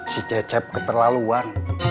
si cecep keterlaluan